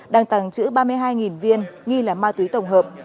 đăng tăng chữ ba mươi hai viên nghi là ma túy tổng hợp